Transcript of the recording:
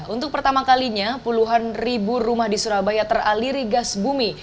untuk pertama kalinya puluhan ribu rumah di surabaya teraliri gas bumi